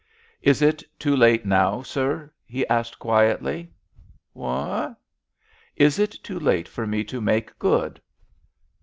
"Is it too late now, sir?" he asked quietly. "Eh?" "Is it too late for me to make good?"